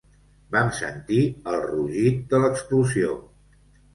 Vam sentir el rugit de l'explosió